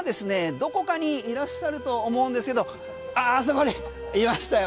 どこかにいらっしゃると思うんですけどいましたよ